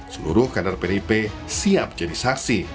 seluruh kader pdip siap jadi saksi